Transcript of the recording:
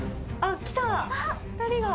来た２人が。